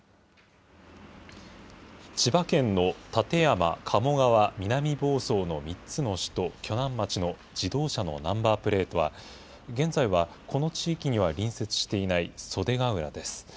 千葉県の館山、鴨川、南房総の３つの市と鋸南町の自動車のナンバープレートは、現在はこの地域には隣接していない袖ヶ浦です。